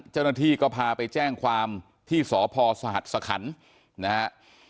เจ้าหน้าที่ก็พาไปแจ้งความที่สพสหัสสคันนะฮะ